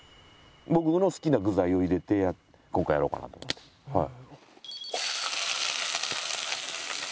僕の好きな具材を入れて今回やろうかなとはい。